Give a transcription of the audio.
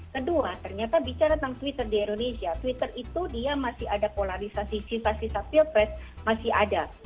kedua ternyata bicara tentang twitter di indonesia twitter itu dia masih ada polarisasi sifat sisa pilpres masih ada